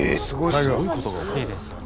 すごいですね。